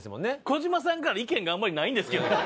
児嶋さんから意見があんまりないんですけど。